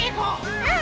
うん！